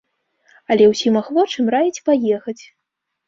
Але ўсім ахвочым раіць паехаць.